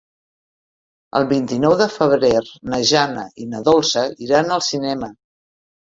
El vint-i-nou de febrer na Jana i na Dolça iran al cinema.